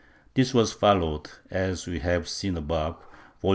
This was followed, as we have seen above (Vol.